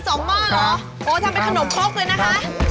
โอ้ทำเป็นขนมครบเลยนะคะ